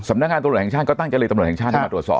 นักงานตำรวจแห่งชาติก็ตั้งเจรตำรวจแห่งชาติให้มาตรวจสอบ